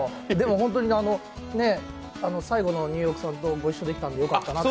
ホントに最後のニューヨークさんとご一緒できたんでよかったなと。